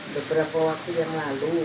beberapa waktu yang lalu